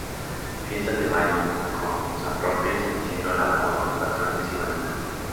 Fiestas de mayo con San Roque y San Isidro Labrador, patrones igualmente.